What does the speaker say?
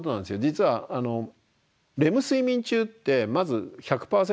実はレム睡眠中ってまず１００％